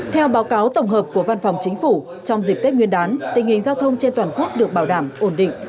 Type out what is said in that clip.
theo báo cáo tổng hợp của văn phòng chính phủ trong dịp tết nguyên đán tình hình giao thông trên toàn quốc được bảo đảm ổn định